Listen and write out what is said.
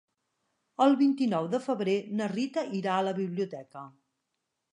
El vint-i-nou de febrer na Rita irà a la biblioteca.